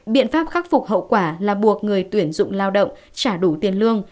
biện pháp khắc phục hậu quả là buộc người tuyển dụng lao động trả đủ tiền lương